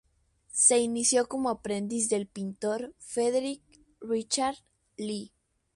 Se inició como aprendiz del pintor Frederick Richard Lee.